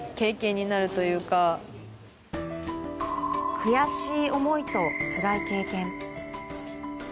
悔しい思いとつらい経験。